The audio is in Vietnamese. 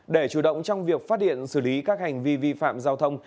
để chủ động trong việc phát điện xử lý các hành vi vi phạm giao thông